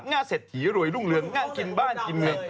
เศรษฐีรวยรุ่งเรืองน่ากินบ้านกินเงิน